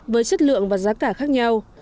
với chất lượng và giá cả khác nhau